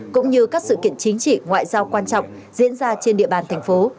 cũng như các sự kiện chính trị ngoại giao quan trọng diễn ra trên địa bàn thành phố